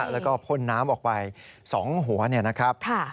แล้วก็พ่นน้ำออกไป๒หัวเนี่ยนะครับ